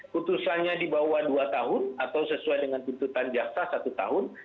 putusannya di bawah dua tahun atau sesuai dengan tuntutan jaksa satu tahun